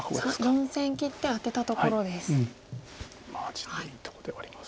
味のいいとこではあります。